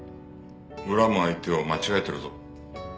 恨む相手を間違えてるぞ。